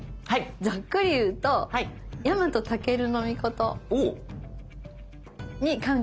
ざっくり言うと日本武尊に関係がありそうです。